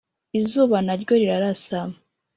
izuba na ryo rirarasa